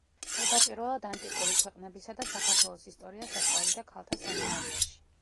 თავდაპირველად ანტიკური ქვეყნებისა და საქართველოს ისტორიას ასწავლიდა ქალთა სემინარიაში.